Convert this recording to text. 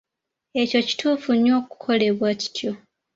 Ekyo kituufu nnyo okukolebwa kityo.